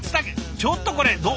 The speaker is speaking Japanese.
ちょっとこれどう。